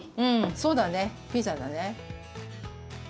そうだねピザだね。